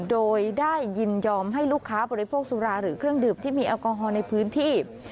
โดยได้ยินยอมให้ลูกค้าบริโภคสุราหรือเครื่องดื่มที่มีแอลกอฮอล์ในพื้นที่